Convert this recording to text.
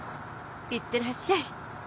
行ってらっしゃい。